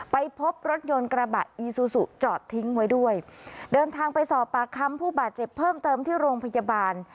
ไปพบรถยนต์กระบะอีซูซูจอดทิ้งไว้ด้วยเดินทางไปสอบปากคำผู้บาดเจ็บเพิ่มเติมที่โรงพยาบาล